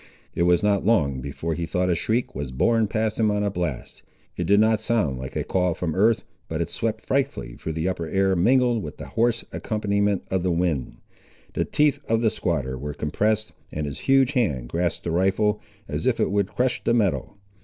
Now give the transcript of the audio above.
It was not long before he thought a shriek was borne past him on a blast. It did not sound like a call from earth but it swept frightfully through the upper air mingled with the hoarse accompaniment of the wind. The teeth of the squatter were compressed, and his huge hand grasped the rifle, as if it would crush the metal.